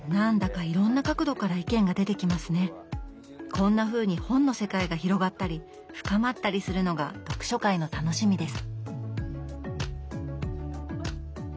こんなふうに本の世界が広がったり深まったりするのが読書会の楽しみです。